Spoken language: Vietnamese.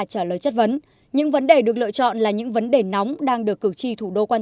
trả lời chất vấn những vấn đề được lựa chọn là những vấn đề nóng đang được cử tri thủ đô quan